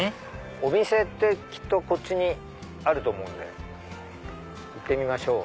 お店ってこっちにあると思うんで行ってみましょう。